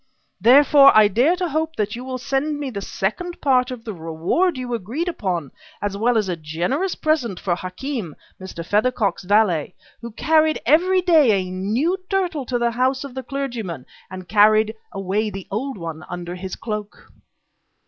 Therefore, I dare to hope that you will send me the second part of the reward you agreed upon as well as a generous present for Hakem, Mr. Feathercock's valet, who carried every day a new turtle to the house of the clergyman, and carried away the old one under his cloak.